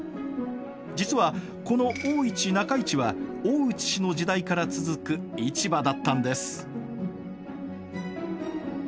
実はこの大市・中市は大内氏の時代から続く市場だったんです。